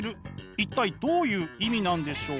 一体どういう意味なんでしょう？